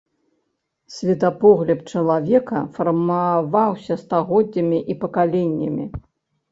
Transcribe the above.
Светапогляд чалавека фармаваўся стагоддзямі і пакаленнямі.